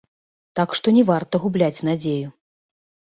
Так што не варта губляць надзею.